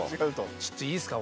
ちょっといいですか。